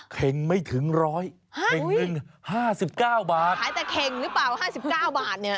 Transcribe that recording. เข่งไม่ถึงร้อยเข่งหนึ่งห้าสิบเก้าบาทขายแต่เข่งหรือเปล่าห้าสิบเก้าบาทเนี่ย